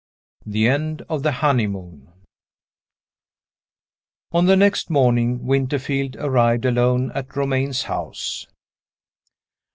THE END OF THE HONEYMOON. ON the next morning, Winterfield arrived alone at Romayne's house.